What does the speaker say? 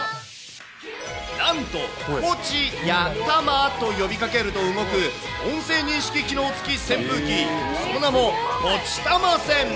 なんと、ポチやタマと呼びかけると動く、音声認識機能付き扇風機、その名もポチタマ扇。